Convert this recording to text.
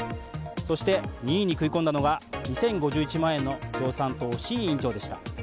そして２位に食い込んだのが２０５１万円の共産党、志位委員長でした。